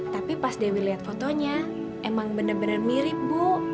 tapi pas dewi lihat fotonya emang bener bener mirip bu